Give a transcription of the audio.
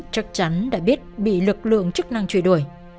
chắc chắn đã biết bị lực lượng chức năng chuyển đổi